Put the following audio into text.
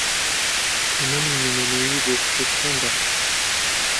تەمەنی نموونەیی بۆ کچێک چەندە؟